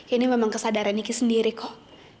ini memang kesadaran niki sendiri kok